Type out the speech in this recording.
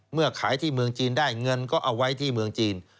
ขายที่เมืองจีนได้เงินก็เอาไว้ที่เมืองจีน